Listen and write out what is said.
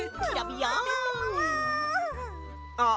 あっ